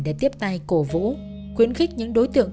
để tiếp tay cổ vũ khuyến khích những đối tượng